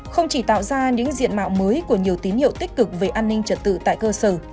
không chỉ tạo ra những diện mạo mới của nhiều tín hiệu tích cực về an ninh trật tự tại cơ sở